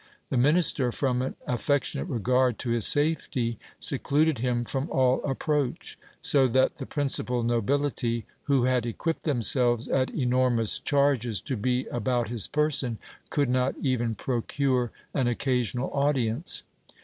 The minister, from an affectionate regard to his safety, secluded him from all approach : so that the principal nobility, who had equipped themselves at enormous charges to be about his person, could not even procure an occasional audience.